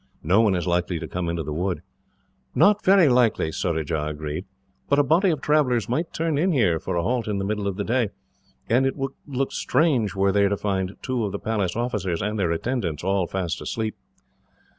"No one is likely to come into the wood." "Not very likely," Surajah agreed; "but a body of travellers might turn in here, for a halt in the middle of the day, and it would look strange were they to find two of the Palace officers, and their attendants, all fast asleep."